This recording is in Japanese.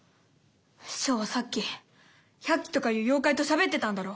師匠はさっき百鬼とかいう妖怪としゃべってたんだろ？